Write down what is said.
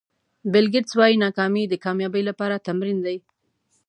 بیل ګېټس وایي ناکامي د کامیابۍ لپاره تمرین دی.